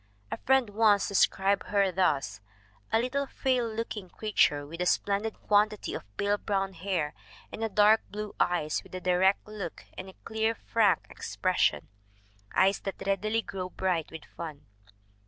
A friend once described her thus : "A little, frail looking creature, with a splendid quantity of pale brown hair, and dark blue eyes with a direct look and a clear, frank expression eyes that readily grow bright with fun."